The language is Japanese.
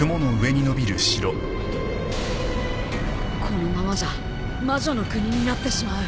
このままじゃ魔女の国になってしまう。